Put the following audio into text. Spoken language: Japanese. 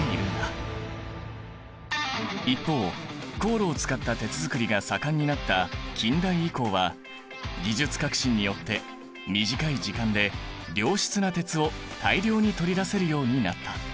一方高炉を使った鉄づくりが盛んになった近代以降は技術革新によって短い時間で良質な鉄を大量に取り出せるようになった。